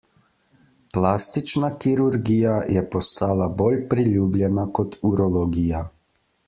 Plastična kirurgija je postala bolj priljubljena kot urologija.